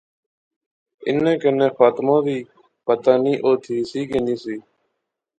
انیں کنے فاطمہ وی۔۔۔ پتہ نی او تھی سی کہ نہسی